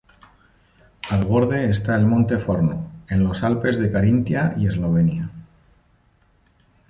Al borde está el Monte Forno, en los Alpes de Carintia y Eslovenia.